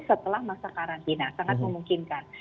setelah masa karantina sangat memungkinkan